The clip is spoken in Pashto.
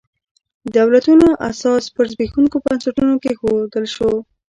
دولتونو اساس پر زبېښونکو بنسټونو کېښودل شو.